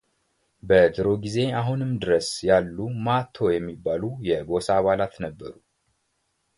በድሮ ጊዜ አሁንም ድረስ ያሉ ማቶ የሚባሉ የጎሳ አባላት ነበሩ፡፡